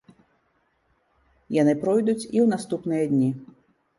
Яны пройдуць і ў наступныя дні.